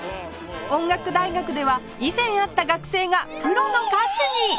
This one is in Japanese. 音楽大学では以前会った学生がプロの歌手に！